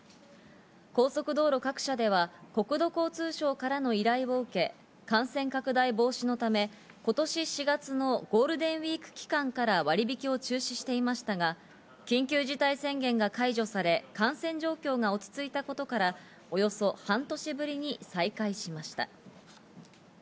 高速道路各社では国土交通省からの依頼を受け、感染拡大防止のため、今年４月のゴールデンウイーク期間から割引を中止していましたが緊急事態宣言が解除され感染状況が落ち着いたことから、およそ半年ぶりに再開しました。